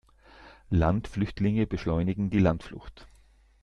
Landflüchtlinge beschleunigen die Landflucht.